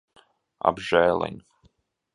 Apžēliņ.